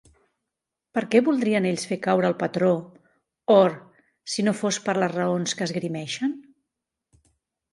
Per què voldrien ells fer caure el patró or si no fos per les raons que esgrimeixen?